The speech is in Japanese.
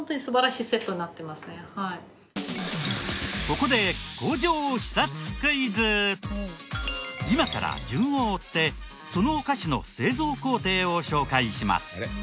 ここで今から順を追ってそのお菓子の製造工程を紹介します。